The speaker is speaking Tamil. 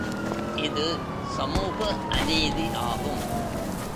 இது சமூக அநீதி ஆகும்.